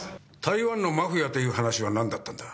台湾のマフィアという話は何だったんだ？